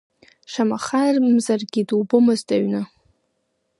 Шамахамзаргьы дубомызт аҩны.